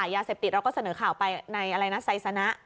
ยาเสพติดเราก็เสนอข่าวไปในอะไรนะไซสนะ